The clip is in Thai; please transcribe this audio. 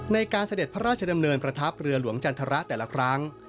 เสด็จพระราชดำเนินประทับเรือหลวงจันทรแต่ละครั้ง